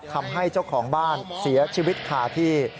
ทำให้เจ้าของบ้านเสียชีวิตคาที่